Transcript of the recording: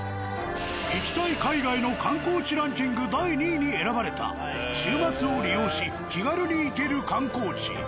行きたい海外の観光地ランキング第２位に選ばれた週末を利用し気軽に行ける観光地。